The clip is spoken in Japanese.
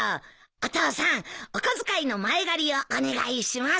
お父さんお小遣いの前借りをお願いします。